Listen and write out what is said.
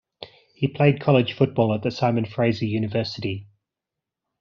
He played college football at Simon Fraser University.